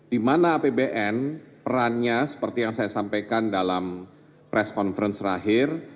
di mana apbn perannya seperti yang saya sampaikan dalam press conference terakhir